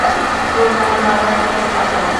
তোমার বাবার দিকে তাকাও।